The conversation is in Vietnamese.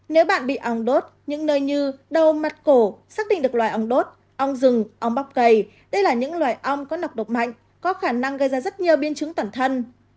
nếu bạn bị ong đốt những nơi như đầu mặt cổ xác định được loài ong đốt ong rừng ong bóc cầy đây là những loài ong có nọc độc mạnh có khả năng gây ra rất nhiều biến chứng tản thân